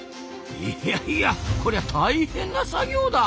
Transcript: いやいやこりゃ大変な作業だ！